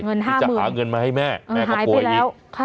ที่จะหาเงินมาให้แม่แม่ก็ป่วยอีก